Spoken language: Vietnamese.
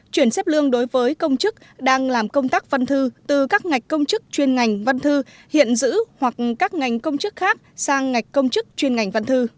chuyển xếp lương đối với công chức đang làm công tác văn thư từ các ngạch công chức chuyên ngành văn thư hiện giữ hoặc các ngành công chức khác sang ngạch công chức chuyên ngành văn thư